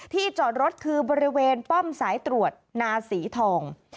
จอดรถคือบริเวณป้อมสายตรวจนาศรีทอง